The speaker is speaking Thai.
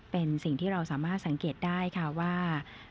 เป็นสิ่งที่เราสามารถสังเกตได้ค่ะว่า